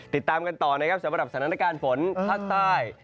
ติดตามกันต่อนะครับสำหรับสถานการณ์ฝนภาคใต้